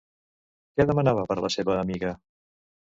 Què demanava per a la seva amiga?